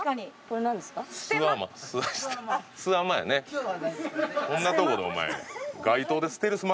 こんなとこでお前。